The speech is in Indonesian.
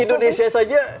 di indonesia saja